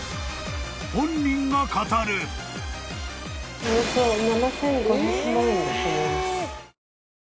［本人が語る］本物？